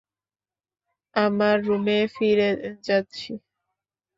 আমার রুমে ফিরে যাচ্ছি।